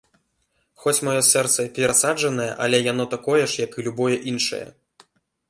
Хоць маё сэрца і перасаджанае, але яно такое ж, як і любое іншае.